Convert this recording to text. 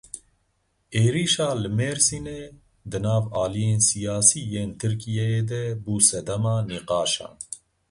Êrişa li Mêrsînê di nav aliyên siyasî yên Tirkiyeyê de bû sedema nîqaşan.